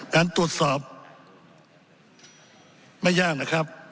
การตรวจสอบไม่ยากนะครับ